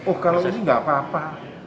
oh kalau ini nggak apa apa